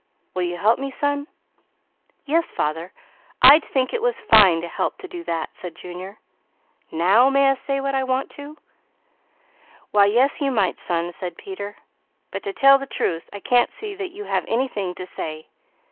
Will you help me, son?" "Yes father, I'd think it was fine to help do that," said Junior. "Now may I say what I want to?" "Why yes, you might son," said Peter, "but to tell the truth I can't see that you have anything to say.